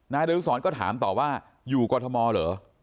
นายดรุษรก็ถามตอบว่าอยู่กวทมเหรอ